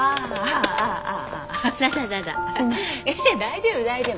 大丈夫大丈夫。